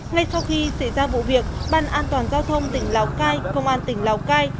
ngay sau khi xảy ra vụ việc ban an toàn giao thông tỉnh lào cai công an tỉnh lào cai